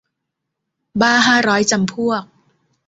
บ้าห้าร้อยจำพวก